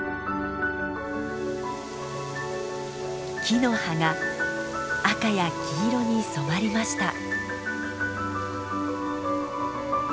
木の葉が赤や黄色に染まりました。